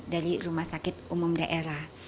dari rumah sakit umum daerah